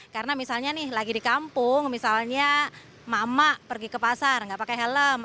karena misalnya nih lagi di kampung misalnya mama pergi ke pasar gak pakai helm